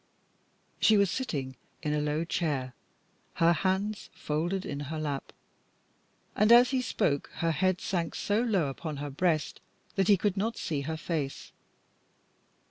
She was sitting in a low chair, her hands folded in her lap, and as he spoke her head sank so low upon her breast that he could not see her face.